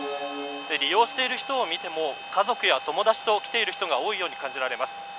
利用している人を見ても家族や友達と来ている人が多いように感じられます。